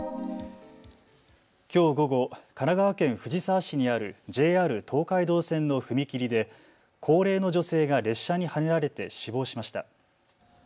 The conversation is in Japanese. きょう午後、神奈川県藤沢市にあるＪＲ東海道線の踏切で高齢の女性が列車にはねられて死亡しました。